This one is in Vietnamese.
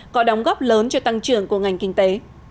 có đóng góp lớn cho tăng trưởng của ngành kinh tế